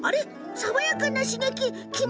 爽やかな刺激。